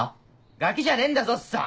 ガキじゃねえんだぞおっさん！